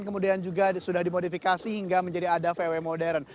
kemudian juga sudah dimodifikasi hingga menjadi ada vw modern